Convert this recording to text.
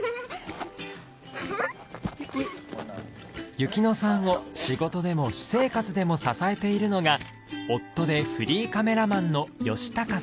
由希乃さんを仕事でも私生活でも支えているのが夫でフリーカメラマンの良孝さん。